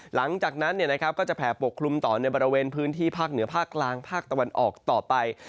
หลังจากนั้นก็จะแผ่ปกคลุมต่อในบริเวณพื้นที่ภาคเหนือภาคกลางภาคตะวันออกต่อไป